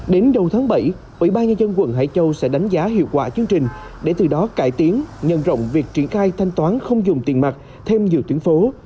đến đầu tháng bảy ủy ban nhân dân quận hải châu sẽ đánh giá hiệu quả chương trình để từ đó cải tiến nhân rộng việc triển khai thanh toán không dùng tiền mặt thêm nhiều tuyến phố